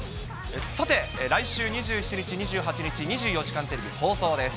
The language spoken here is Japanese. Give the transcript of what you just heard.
さて、来週２７日、２８日、２４時間テレビ放送です。